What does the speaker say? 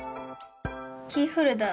キーホルダー。